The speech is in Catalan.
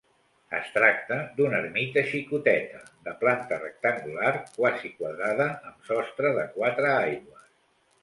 Es tracta d'una ermita xicoteta, de planta rectangular, quasi quadrada, amb sostre de quatre aigües.